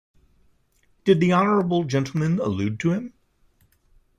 Did the honourable gentleman allude to him?